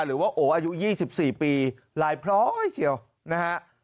หรือว่าโออายุ๒๔ปีลายพร้อยเชียวนะฮะ